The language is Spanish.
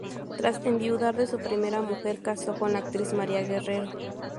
Tras enviudar de su primera mujer, casó con la actriz María Guerrero.